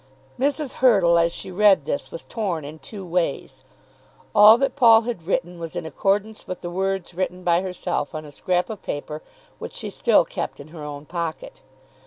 Mrs. Hurtle, as she read this, was torn in two ways. All that Paul had written was in accordance with the words written by herself on a scrap of paper which she still kept in her own pocket.